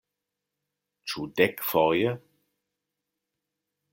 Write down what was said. Ĉu dekfoje?